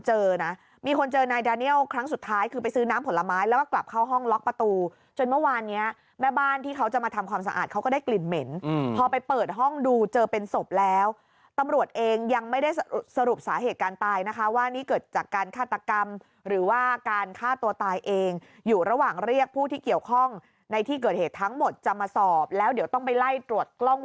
เจอนะมีคนเจอนายแดเนียลครั้งสุดท้ายคือไปซื้อน้ำผลไม้แล้วก็กลับเข้าห้องล็อกประตูจนเมื่อวานเนี้ยแม่บ้านที่เขาจะมาทำความสะอาดเขาก็ได้กลิ่นเหม็นพอไปเปิดห้องดูเจอเป็นศพแล้วตำรวจเองยังไม่ได้สรุปสาเหตุการตายนะคะว่านี่เกิดจากการฆาตกรรมหรือว่าการฆ่าตัวตายเองอยู่ระหว่างเรียกผู้ที่เกี่ยวข้องในที่เกิดเหตุทั้งหมดจะมาสอบแล้วเดี๋ยวต้องไปไล่ตรวจกล้อง